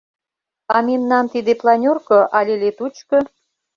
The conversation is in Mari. А мемнан тиде планёрко але летучко?